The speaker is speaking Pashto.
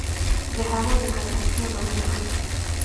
د هــوا د ککــړتـيـا لامـل ګـرځـي